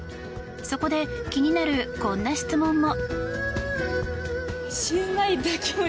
そこで気になる、こんな質問も。